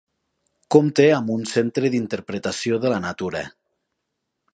Compta amb un Centre d'Interpretació de la Natura.